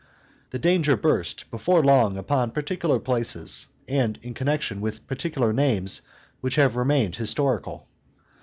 The danger burst before long upon particular places and in connection with particular names which have remained historical.